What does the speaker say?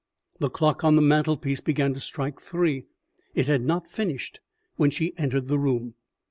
The clock on the mantelpiece began to strike three; it had not finished when she entered the room.